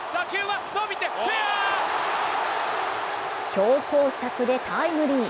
強攻策でタイムリー。